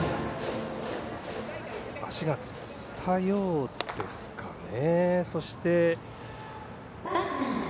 足がつったようですかね。